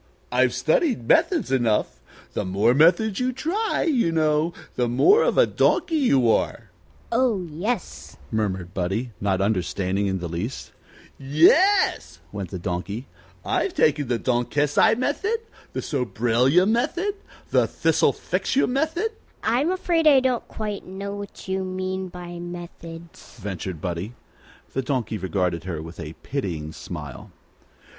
"I've studied methods enough. The more methods you try, you know, the more of a donkey you are." "Oh, yes," murmured Buddie, not understanding in the least. "Yes," went on the Donkey; "I've taken the Donkesi Method, the Sobraylia Method, the Thistlefixu Method " "I'm afraid I don't quite know what you mean by 'methods,'" ventured Buddie. The Donkey regarded her with a pitying smile.